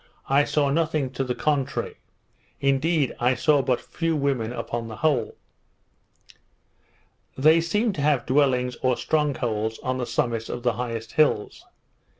I saw nothing to the contrary: Indeed I saw but few women upon the whole. They seemed to have dwellings, or strong holds, on the summits of the highest hills.